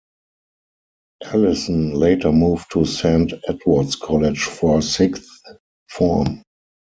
Ellison later moved to Saint Edward's College for sixth form.